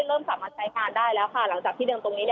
เริ่มสามารถใช้งานได้แล้วค่ะหลังจากที่เดิมตรงนี้